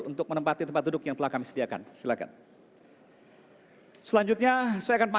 untuk kebangsaan malaysia raya